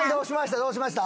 どうしました？